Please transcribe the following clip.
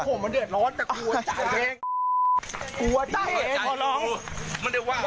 ก็แค่มีเรื่องเดียวให้มันพอแค่นี้เถอะ